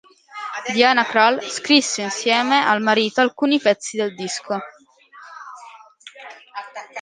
Diana Krall scrisse insieme al marito alcuni pezzi del disco.